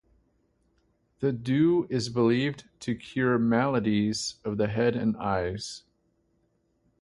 The dew is believed to cure maladies of the head and eyes.